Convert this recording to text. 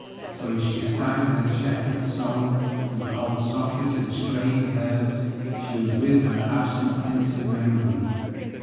So as she sang her shepherd's song and called softly to the straying herds, she was with her absent prince in memory.